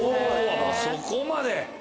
そこまで！